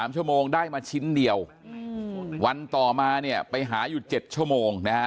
๓ชั่วโมงได้มาชิ้นเดียววันต่อมาเนี่ยไปหาอยู่๗ชั่วโมงนะฮะ